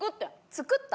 作った？